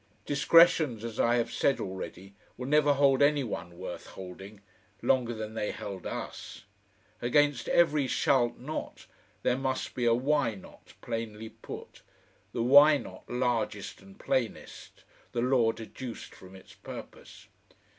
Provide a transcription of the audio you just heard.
Discretions, as I have said already, will never hold any one worth holding longer than they held us. Against every "shalt not" there must be a "why not" plainly put, the "why not" largest and plainest, the law deduced from its purpose.